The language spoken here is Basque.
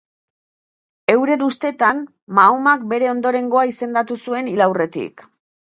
Euren ustetan Mahomak bere ondorengoa izendatu zuen hil aurretik.